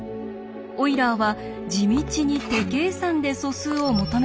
オイラーは地道に手計算で素数を求めていきました。